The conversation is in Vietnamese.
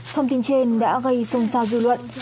thông tin trên đã gây xôn xao dư luận